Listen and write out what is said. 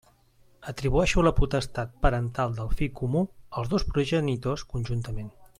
Atribueixo la potestat parental del fill comú als dos progenitors conjuntament.